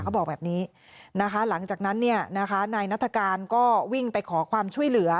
ก็บอกแบบนี้หลังจากนั้นนายนัฐกาลก็วิ่งไปขอความช่วยเหลือ